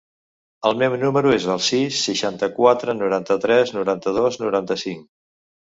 El meu número es el sis, seixanta-quatre, noranta-tres, noranta-dos, noranta-cinc.